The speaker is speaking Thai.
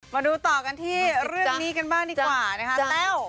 มาดูต่อกันที่เรื่องนี้กันบ้างดีกว่านะคะแต้ว